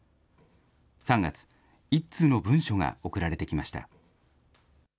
３月、一通の文書が送られてきました。